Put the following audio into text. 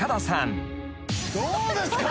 どうですか？